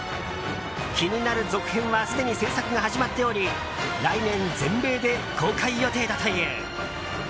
気になる続編はすでに制作が始まっており来年、全米で公開予定だという。